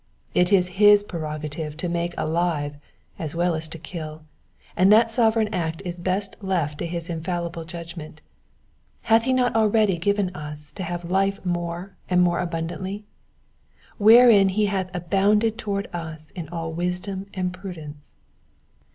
It is his prerogative to make alive as well as to kill, and that sovereign act is best left to his infallible judgment. Hath he not already given us to have life more and more abundantly ?Wherein he hath abounded toward us in all wisdom and prudence."